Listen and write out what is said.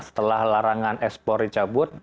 setelah larangan ekspor dicabut